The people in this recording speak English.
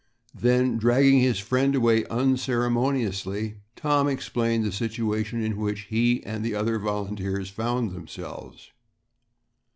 Then, dragging his friend away unceremoniously, Tom explained the situation in which he and the other volunteers found themselves.